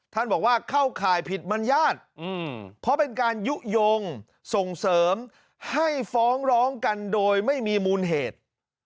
ท่านบอกว่าเข้าข่ายผิดมัญญาติเพราะเป็นการยุโยงส่งเสริมให้ฟ้องร้องกันโดยไม่มีมูลเหตุ